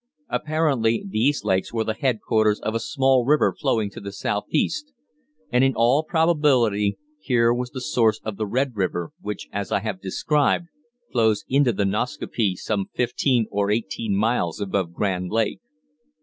Apparently these lakes were the headquarters of a small river flowing to the southeast, and in all probability here was the source of the Red River, which, as I have described, flows into the Nascaupee some fifteen or eighteen miles above Grand Lake.